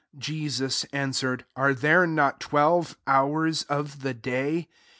9 Jesus answer ed, " Are there not twelve hours of the day ?